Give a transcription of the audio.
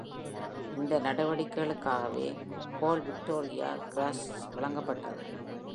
இந்த நடவடிக்கைகளுக்காகவே Hall Victoria Cross வழங்கப்பட்டது.